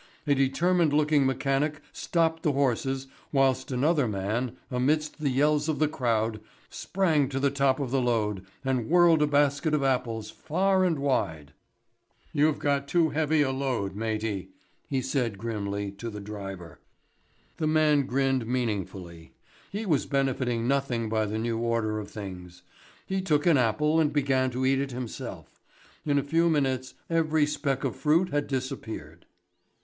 A determined looking mechanic stopped the horses whilst another man, amidst the yells of the crowd, sprang to the top of the load and whirled a basket of apples far and wide. "You've got too heavy a load, matey," he said grimly to the driver. The man grinned meaningly. He was benefiting nothing by the new order of things. He took an apple and began to eat it himself. In a few minutes every speck of fruit had disappeared.